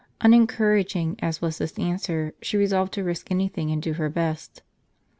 Unencouraging as was this answer, she resolved to risk any thing, and do her best.